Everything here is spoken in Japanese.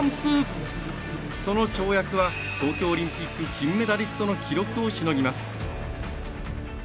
その跳躍は東京オリンピック金メダリストの記録をしのぎます。